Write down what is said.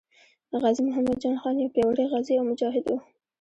غازي محمد جان خان یو پیاوړی غازي او مجاهد وو.